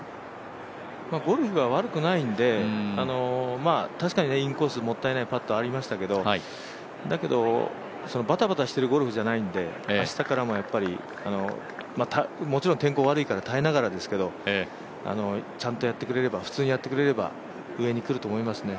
ゴルフは悪くないんで、確かにインコース、もったいないパットありましたけどだけど、ばたばたしてるゴルフじゃないので明日からももちろん天候が悪いので、耐えながらですけどちゃんとやってくれれば、普通にやってくれれば上に来ると思いますね。